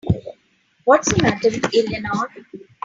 What's the matter with Eleanor?